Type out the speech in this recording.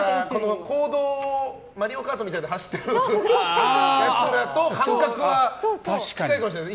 公道を「マリオカート」みたいに走ってるやつらと感覚は近いかもしれない。